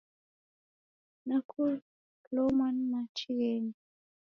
Nakolomwa ni machi ghenywa.